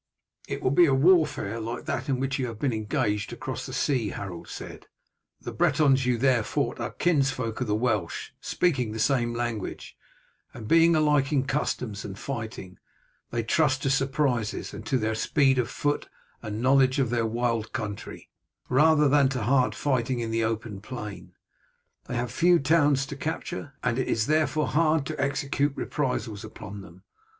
"It will be a warfare like that in which you have been engaged across the sea," Harold said. "The Bretons you there fought with are kinsfolk of the Welsh, speaking the same language, and being alike in customs and in fighting. They trust to surprises, and to their speed of foot and knowledge of their wild country, rather than to hard fighting in the open plain. They have few towns to capture, and it is therefore hard to execute reprisals upon them.